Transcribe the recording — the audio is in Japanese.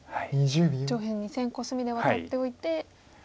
上辺２線コスミでワタっておいて。